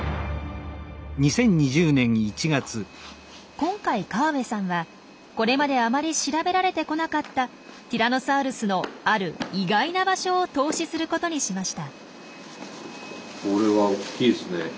今回河部さんはこれまであまり調べられてこなかったティラノサウルスのある意外な場所を透視することにしました。